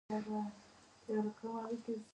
د سلیمان غر لپاره طبیعي شرایط مناسب دي.